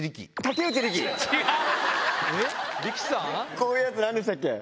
こういうやつ何でしたっけ？